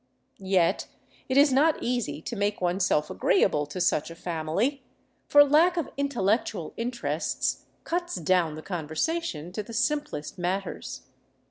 Yet it is not easy to make oneself agreeable to such a family, for lack of intellectual interests cuts down the conversation to the simplest matters.